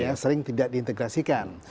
kalau tidak diintegrasikan